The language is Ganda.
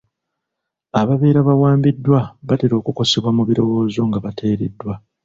Ababeera bawambiddwa batera okukosebwa mu birowoozo nga bateereddwa.